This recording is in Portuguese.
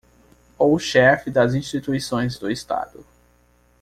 Ou chefe das instituições do Estado.